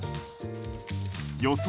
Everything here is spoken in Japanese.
予想